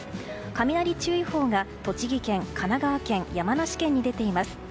雷注意報が栃木県、神奈川県山梨県に出ています。